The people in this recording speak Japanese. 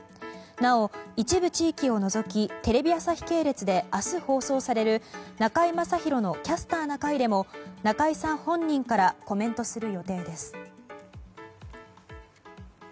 なお、一部地域を除きテレビ朝日系列で明日、放送される「中居正広のキャスターな会」でも中居さん本人からコメントする予定です。